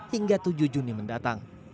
hingga tujuh juni mendatang